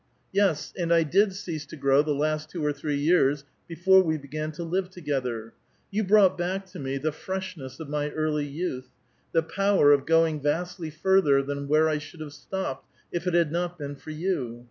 Yes, and I did cease to grow the last two or three years before we began to live together. Yon brought back to me the freshness of my early youth, the power of going vastl}*^ further than where I should have stopped, if it had not been for you.